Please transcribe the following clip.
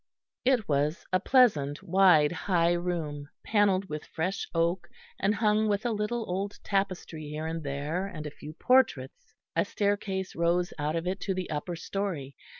It was a pleasant, wide, high room, panelled with fresh oak, and hung with a little old tapestry here and there, and a few portraits. A staircase rose out of it to the upper story.